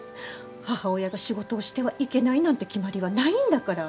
母親が仕事をしてはいけないなんて決まりはないんだから。